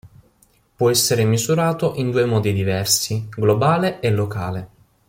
Può essere misurato in due modi diversi: globale e locale.